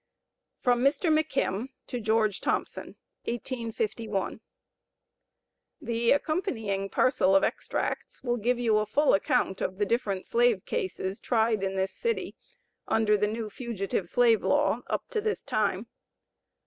From Mr. McKiM to GEORGE THOMPSON, 1851. The accompanying parcel of extracts will give you a full account of the different slave cases tried in this city, under the new Fugitive Slave Law up to this time.